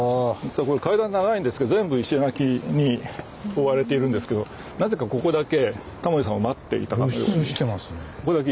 階段長いんですけど全部石垣に覆われているんですけどなぜかここだけタモリさんを待っていたかのように。